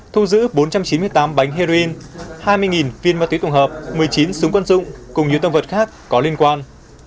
thu giữ bốn trăm chín mươi tám bánh heroin hai mươi viên ma túy tổng hợp một mươi chín súng quân dụng cùng nhiều tâm vật khác có liên quan